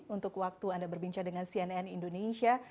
untuk waktu anda berbincang dengan cnn indonesia